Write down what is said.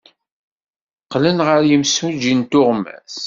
Qqlen ɣer yimsujji n tuɣmas.